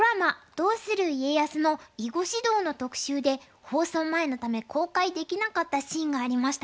「どうする家康」の囲碁指導の特集で放送前のため公開できなかったシーンがありました。